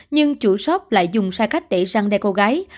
nhưng chủ shop lại dùng xa cách để răng đe cô gái